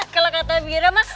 kalau kata biarama